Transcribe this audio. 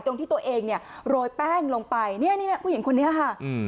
ตรงที่ตัวเองเนี่ยโรยแป้งลงไปนี่ผู้หญิงคนนี้ค่ะ